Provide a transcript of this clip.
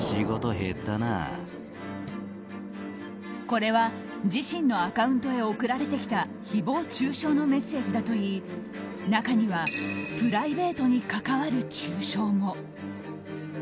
これは自身のアカウントへ送られてきた誹謗中傷のメッセージだといい中にはプライベートに関わる中傷も。